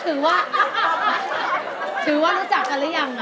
ถือว่าถือว่ารู้จักกันหรือยัง